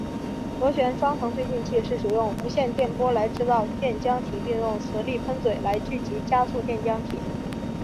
螺旋双层推进器是使用无线电波来制造电浆体并用磁力喷嘴来聚集加速电浆体。